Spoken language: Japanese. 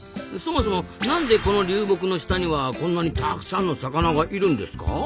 そもそもなんでこの流木の下にはこんなにたくさんの魚がいるんですか？